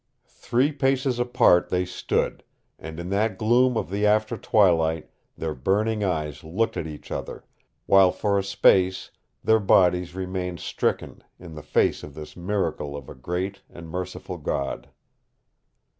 Three paces apart they stood, and in that gloom of the after twilight their burning eyes looked at each other, while for a space their bodies remained stricken in the face of this miracle of a great and merciful God.